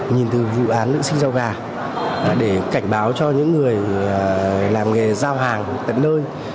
nhìn từ vụ án nữ sinh rau gà để cảnh báo cho những người làm nghề giao hàng tận nơi